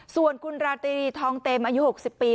ส่วนคุณราตรีทองเต็มอายุ๖๐ปี